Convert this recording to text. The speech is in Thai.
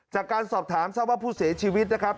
จากการสอบถามทราบว่าผู้เสียชีวิตนะครับ